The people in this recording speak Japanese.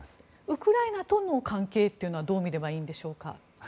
ウクライナとの関係はどう見ればいいんでしょうか。